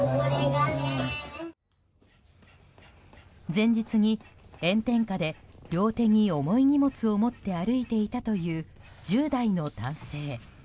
前日に炎天下で両手に重い荷物を持って歩いていたという１０代の男性。